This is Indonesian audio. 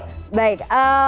dengan status dari anak